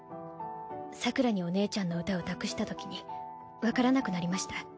さくらにお姉ちゃんの歌を託したときにわからなくなりました。